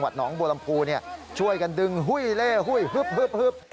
หวัดน้องบัวลำพูช่วยกันดึงหุ้ยเล่หุ้ยฮึบฮึบฮึบ